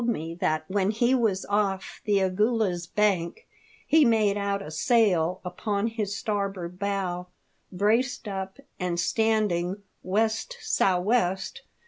me that when he was off the Agulhas Bank, he made out a sail upon his starboard bow, braced up, and standing west sou' west.